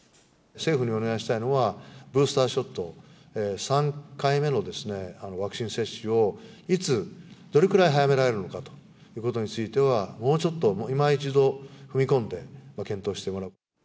政府にお願いしたいのは、ブースターショット、３回目のワクチン接種を、いつ、どれくらい早められるのかということについては、もうちょっと今一度、踏み込んで検討してもらう。